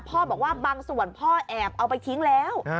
บอกว่าบางส่วนพ่อแอบเอาไปทิ้งแล้ว